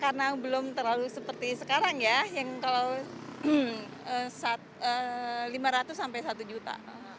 karena belum terlalu seperti sekarang ya yang kalau lima ratus sampai satu juta